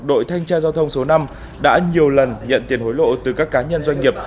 đội thanh tra giao thông số năm đã nhiều lần nhận tiền hối lộ từ các cá nhân doanh nghiệp